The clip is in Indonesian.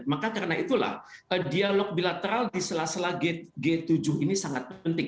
maka karena itulah dialog bilateral di sela sela g tujuh ini sangat penting